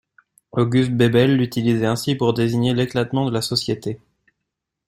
August Bebel l'utilisait ainsi pour désigner l'éclatement de la société.